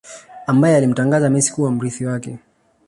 Ambaye alimtangaza Messi kuwa mrithi wake